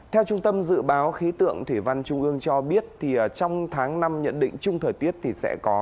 theo trung tâm dự báo khí tượng thủy văn trung ương cho biết trong tháng năm nhận định chung thời tiết thì sẽ có